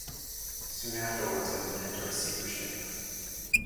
Soon afterwards it went into receivership.